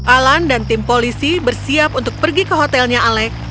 alan dan tim polisi bersiap untuk pergi ke hotelnya alec